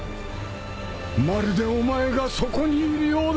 まるでお前がそこにいるようだ